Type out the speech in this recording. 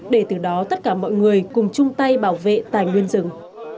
để từ đó tất cả mọi người cùng chung tay bảo vệ tài nguyên rừng